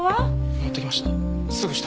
持ってきました。